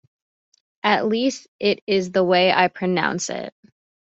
At least, it is the way I pronounce it.